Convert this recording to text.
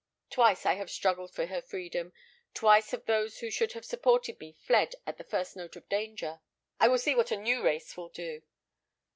Twice have I struggled for her freedom, twice have those who should have supported me fled at the first note of danger. I will see what a new race will do.